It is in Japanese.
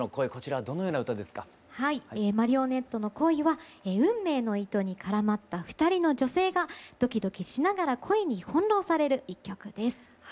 はい「マリオネットの恋」は運命の糸に絡まった２人の女性がドキドキしながら恋に翻弄される一曲です。